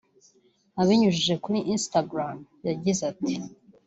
Abinyujije kuri Instagram yagize ati